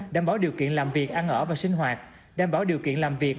đảm bảo điều kiện làm việc ăn ở và sinh hoạt đảm bảo điều kiện làm việc